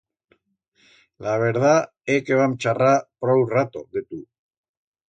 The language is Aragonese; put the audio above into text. La verdat é que vam charrar prou rato de tu.